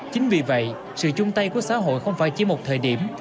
chính vì vậy sự chung tay của xã hội không phải chỉ một thời điểm